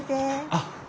あっ。